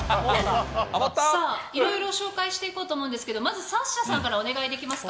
いろいろ紹介していこうと思うんですけれども、まずサッシャさんからお願いできますか。